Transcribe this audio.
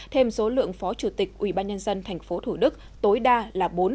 thêm số lượng phó chủ tịch ủy ban nhân dân tp hcm tối đa là bốn